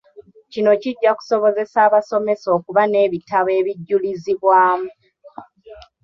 Kino kijja kusobozesa abasomesa okuba n'ebitabo ebijulizibwamu.